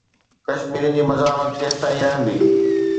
ڪشميرين جي مزاحمت ڪيستائين رهندي؟